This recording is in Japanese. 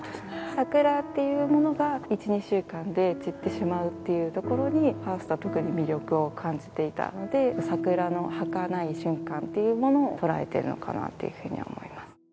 桜っていうものが１２週間で散ってしまうっていうところにハーストは特に魅力を感じていたので桜の儚い瞬間っていうものを捉えているのかなっていうふうに思います。